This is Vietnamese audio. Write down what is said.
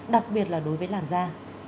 đặc biệt là đối với làn da